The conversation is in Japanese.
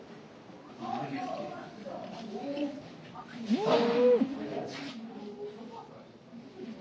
うん！